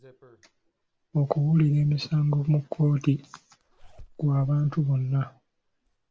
Okuwulira emisango mu kkooti kw'abantu bonna.